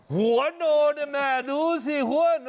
ก็คือไม่เจ็บแหละ